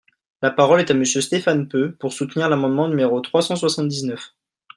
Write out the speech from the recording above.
La parole est à Monsieur Stéphane Peu, pour soutenir l’amendement numéro trois cent soixante-dix-neuf.